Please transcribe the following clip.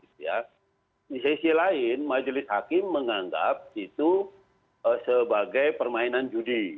di sisi lain majelis hakim menganggap itu sebagai permainan judi